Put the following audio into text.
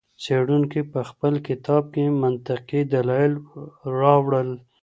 څېړونکي په خپل کتاب کې منطقي دلایل راوړل.